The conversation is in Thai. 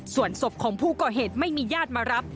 ส่วนศพของผู้ก่อเหตุไม่มีญาติมารับ